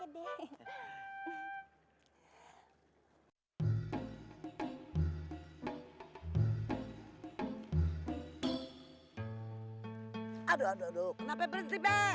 aduh aduh aduh kenapa berhenti be